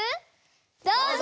どうぞ！